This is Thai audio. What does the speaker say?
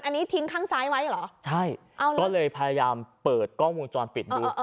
อันนี้ทิ้งข้างซ้ายไว้เหรอใช่ก็เลยพยายามเปิดกล้องวงจรปิดดู